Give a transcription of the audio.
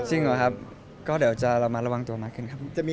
จริงเหรอครับก็เดี๋ยวเรามาระวังตัวมากขึ้นครับ